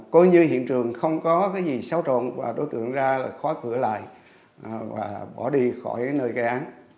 cố như hiện trường không có gì xáo trộn và đối tượng ra khóa cửa lại và bỏ đi khỏi nơi gã